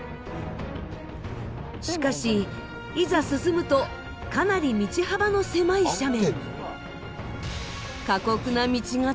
しかしいざ進むとかなり道幅の狭い斜面。